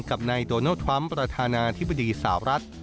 กับนายโดนัลดทรัมป์ประธานาธิบดีสาวรัฐ